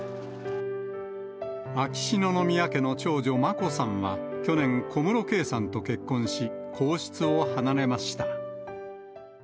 秋篠宮家の長女、眞子さんは去年、小室圭さんと結婚し、皇室を離れました。